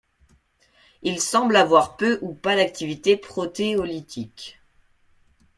Il semble avoir peu ou pas d'activité protéolytique.